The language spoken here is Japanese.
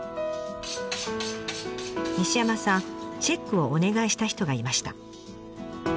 西山さんチェックをお願いした人がいました。